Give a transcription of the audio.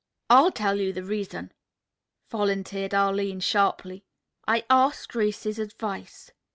"I'll tell you the reason," volunteered Arline sharply. "I asked Grace's advice."